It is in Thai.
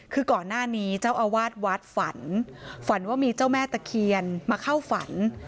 คือก่อนหน้านี้เจ้าอาวาสวัดฝันฝันว่ามีเจ้าแม่ตะเคียนมาเข้าฝัน